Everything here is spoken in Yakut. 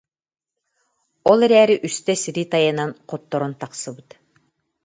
Ол эрээри үстэ сири тайанан хотторон тахсыбыт